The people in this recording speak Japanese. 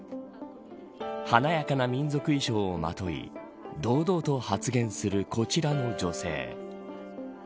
華やかな民族衣装をまとい堂々と発言するこちらの女性。